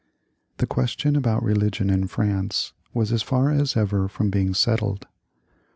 The question about religion in France was as far as ever from being settled.